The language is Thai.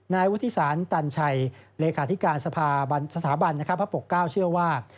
นายวุฒิสารตันชัยเลขาธิการสถาบันพระปกเก้าเชื่อว่า